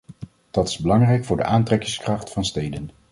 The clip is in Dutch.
Dat is belangrijk voor de aantrekkingskracht van steden.